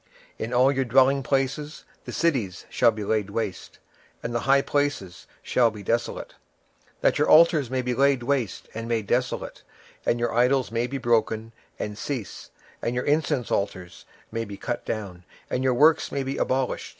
26:006:006 In all your dwellingplaces the cities shall be laid waste, and the high places shall be desolate; that your altars may be laid waste and made desolate, and your idols may be broken and cease, and your images may be cut down, and your works may be abolished.